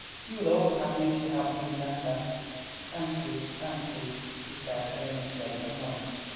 You will always have me to help you, remember." "Thank you, thank you," he said earnestly, and went.